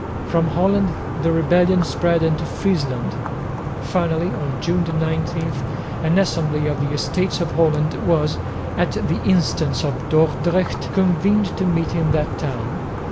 From Holland the rebellion spread into Friesland. Finally on June 19 an assembly of the Estates of Holland was, at the instance of Dordrecht, convened to meet in that town.